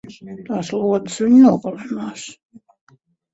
Tās lodes viņu nogalinās!